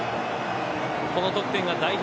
この得点が代表